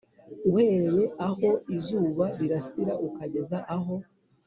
Uhereye aho izuba rirasira ukageza aho